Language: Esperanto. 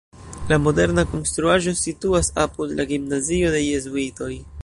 La moderna konstruaĵo situas apud la gimnazio de jezuitoj.